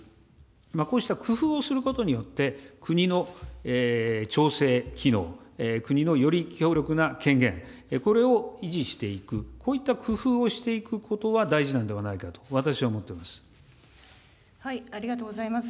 こうした工夫をすることによって、国の調整機能、国のより強力な権限、これを維持していく、こういった工夫をしていくことは大事なんではないかと私は思ってありがとうございます。